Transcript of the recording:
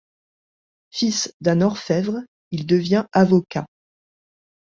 Fils d'un orfèvre, il devient avocat.